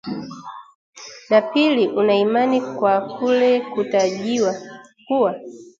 na pili una imani kwa kule kutajiwa kuwa